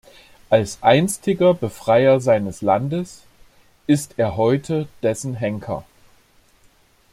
Als einstiger Befreier seines Landes ist er heute dessen Henker.